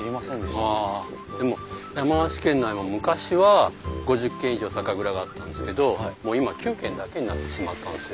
でも山梨県内も昔は５０軒以上酒蔵があったんですけどもう今は９軒だけになってしまったんですよ。